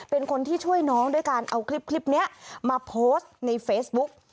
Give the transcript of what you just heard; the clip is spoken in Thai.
เป็นคนที่ช่วยน้องด้วยการเอาคลิปนี้มาโพสต์ในเฟซบุ๊ก